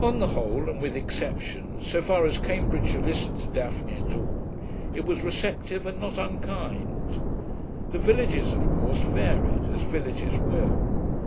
On the whole, and with exceptions, so far as Cambridgeshire listened to Daphne at all, it was receptive and not unkind. The villages, of course, varied, as villages will.